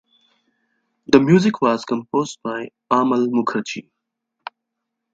The music was composed by Amal Mukherjee.